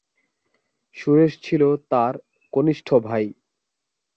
সুরেশ ছিল তাঁর কনিষ্ঠ ভাই।